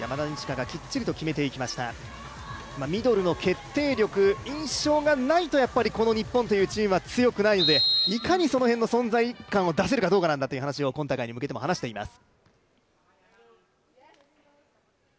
ミドルの決定力、印象がないと、やっぱりこの日本というチームは強くないのでいかにその辺の存在感を出せるかどうかなんだと今大会に向けても話しています。